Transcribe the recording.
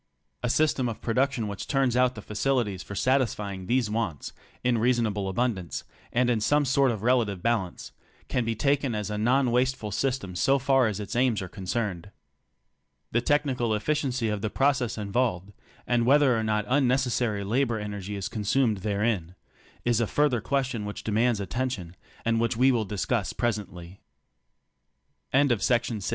A system of production which turns out the facilities for satisfying these wants in reasonable abundance and in some sort of relative balance, can be taken as a non wasteful sys tem so far as its aims are concerned. The technical efficiency of the process involved, and whether or not unnecessary la bor energy is consumed therein, is a further question which demands attention, and which we will discuss presently. THE MINIMUM BUDGE